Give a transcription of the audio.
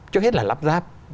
trước hết là lắp ráp